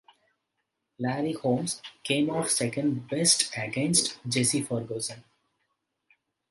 Larry Holmes came off second-best against Jesse Ferguson.